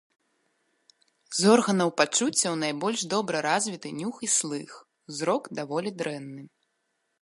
З органаў пачуццяў найбольш добра развіты нюх і слых, зрок даволі дрэнны.